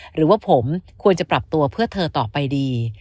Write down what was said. หรือว่าผมควรจะปรับตัวเพื่อเธอต่อไปดี